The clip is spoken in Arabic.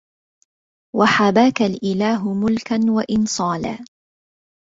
وحباك الإله ملكا وإنصالا